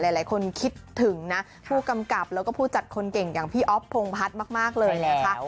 หลายคนคิดถึงนะผู้กำกับแล้วก็ผู้จัดคนเก่งอย่างพี่อ๊อฟพงพัฒน์มากเลยนะคะ